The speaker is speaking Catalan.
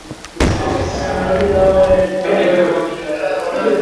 També va exercir d'arquitecte municipal de la Bisbal d'Empordà durant diverses dècades.